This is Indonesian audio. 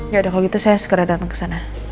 gak ada kalo gitu saya segera dateng kesana